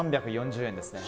３４０円ですね。